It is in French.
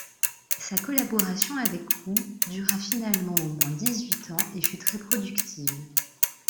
Sa collaboration avec Crewe dura finalement au moins dix-huit ans et fut très productive.